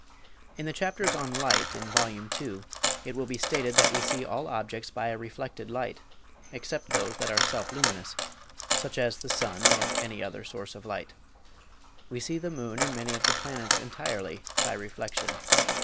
In the chapters on light in Vol. II. it will be stated that we see all objects by a reflected light, except those that are self luminous, such as the sun or any other source of light. We see the moon and many of the planets entirely by reflection.